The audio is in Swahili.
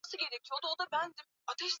Umeiweza roho yangu.